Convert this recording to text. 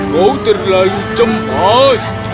kau terlalu cemas